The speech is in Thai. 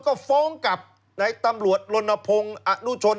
ก็ฟ้องกับในตำรวจลนพงศ์อนุชน